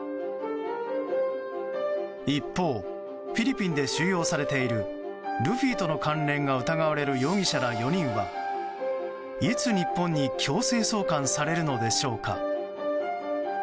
一方、フィリピンで収容されているルフィとの関連が疑われる容疑者ら４人はいつ日本に強制送還されるのでしょうか。